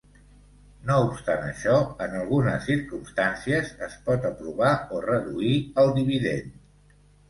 No obstant això, en algunes circumstàncies es pot aprovar o reduir el dividend.